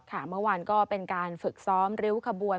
เมื่อวานก็เป็นการฝึกซ้อมริ้วขบวน